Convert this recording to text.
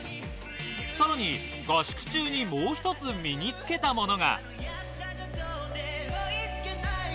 さらに合宿中にもう一つ身につけたものが。